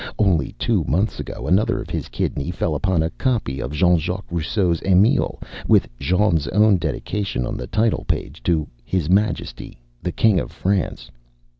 Only two months ago another of his kidney fell upon a copy of Jean Jacques Rosseau's "Emile" with Jean's own dedication on the title page to "His Majesty, the King of France."